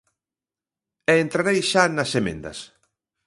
E entrarei xa nas emendas.